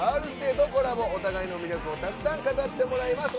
お互いの魅力をたくさん語ってもらいます。